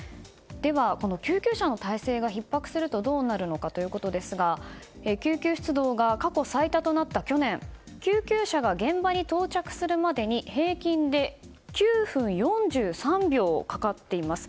この救急車の態勢がひっ迫するとどうなるのかというと救急出動が過去最多となった去年救急車が現場に到着するまでに平均で９分４３秒かかっています。